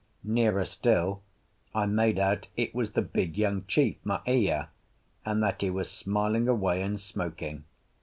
Nearer still I made out it was the big young chief, Maea, and that he was smiling away and smoking.